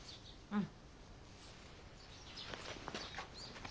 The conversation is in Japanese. うん。